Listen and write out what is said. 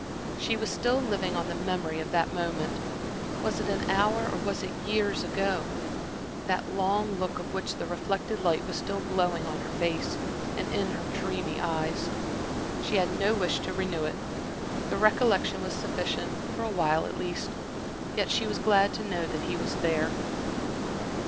She was still living on the memory of that moment was it an hour or was it years ago? that long look of which the reflected light was still glowing on her face, and in her dreamy eyes. She had no wish to renew it; the recollection was sufficient, for awhile at least. Yet she was glad to know that he was there.